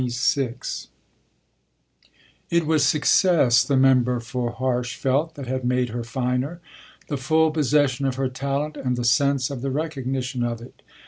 XXVI It was success, the member for Harsh felt, that had made her finer the full possession of her talent and the sense of the recognition of it.